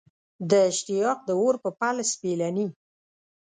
د اشتیاق د اور په پل سپېلني